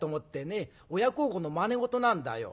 親孝行のまね事なんだよ。